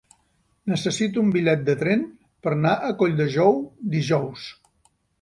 Necessito un bitllet de tren per anar a Colldejou dijous.